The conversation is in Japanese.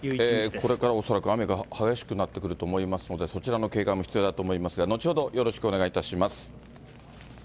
これから恐らく雨が激しくなってくると思いますので、そちらも警戒が必要だと思いますが、後ほどよろしくお願いいたします。